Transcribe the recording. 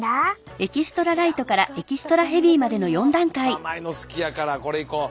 甘いの好きやからこれいこう。